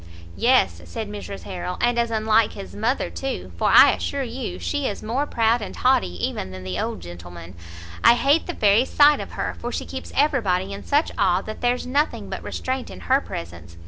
"Yes," said Mrs Harrel, "and as unlike his mother too, for I assure you she is more proud and haughty even than the old gentleman. I hate the very sight of her, for she keeps every body in such awe that there's nothing but restraint in her presence.